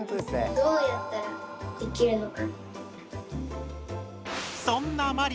どうやったらできるのか。